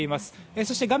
そして画面